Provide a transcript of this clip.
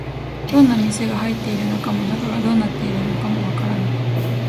どんな店が入っているのかも、中がどうなっているのかもわからない